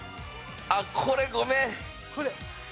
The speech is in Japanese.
あっこれごめん。